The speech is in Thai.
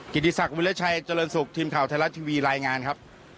ติศักดิชัยเจริญสุขทีมข่าวไทยรัฐทีวีรายงานครับ